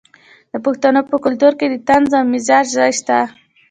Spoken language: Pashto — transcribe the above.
د پښتنو په کلتور کې د طنز او مزاح ځای شته.